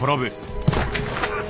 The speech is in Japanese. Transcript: あっ！